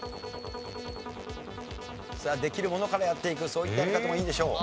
さあできるものからやっていくそういったやり方もいいんでしょう。